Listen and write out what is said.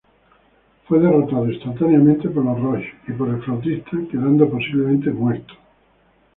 Fue derrotado instantáneamente por los Rogues y por El Flautista, quedando posiblemente muerto.